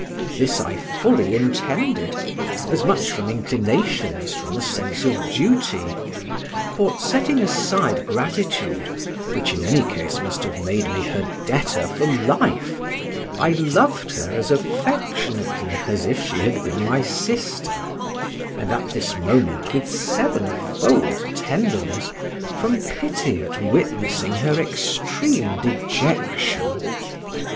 This I fully intended, as much from inclination as from a sense of duty; for setting aside gratitude, which in any case must have made me her debtor for life, I loved her as affectionately as if she had been my sister; and at this moment with sevenfold tenderness, from pity at witnessing her extreme dejection.